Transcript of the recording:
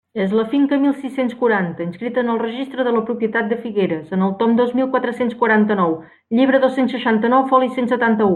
És la finca mil sis-cents quaranta, inscrita en el Registre de la Propietat de Figueres, en el tom dos mil quatre-cents quaranta-nou, llibre dos-cents seixanta-nou, foli cent setanta-u.